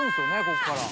ここから。